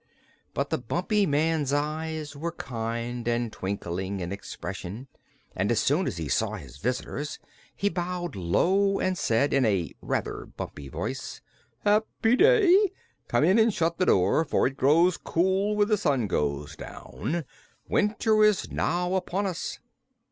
But the Bumpy Man's eyes were kind and twinkling in expression and as soon as he saw his visitors he bowed low and said in a rather bumpy voice: "Happy day! Come in and shut the door, for it grows cool when the sun goes down. Winter is now upon us."